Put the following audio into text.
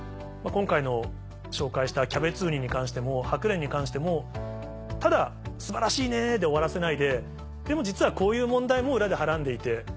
今回の紹介したキャベツウニに関してもハクレンに関してもただ「素晴らしいね」で終わらせないででも実はこういう問題も裏ではらんでいて。